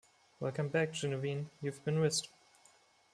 Welcome back Ginuwine, you've been missed.